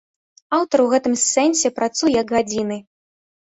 Аўтар у гэтым сэнсе працуе як гадзіны.